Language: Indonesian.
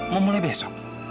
mau mulai besok